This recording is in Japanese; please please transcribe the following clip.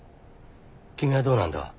君はどうなんだ？